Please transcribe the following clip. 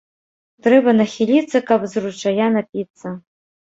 Трэба нахіліцца, каб з ручая напіцца